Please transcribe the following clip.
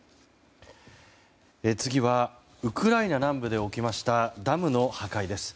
次はウクライナ南部で起きましたダムの破壊です。